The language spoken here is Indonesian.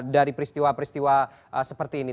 dari peristiwa peristiwa lainnya